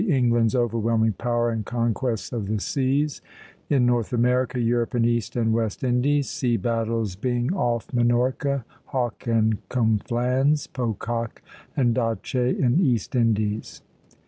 ENGLAND'S OVERWHELMING POWER AND CONQUESTS ON THE SEAS, IN NORTH AMERICA, EUROPE, AND EAST AND WEST INDIES. SEA BATTLES: BYNG OFF MINORCA; HAWKE AND CONFLANS; POCOCK AND D'ACHÉ IN EAST INDIES.